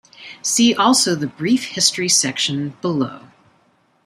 See also the brief history section below.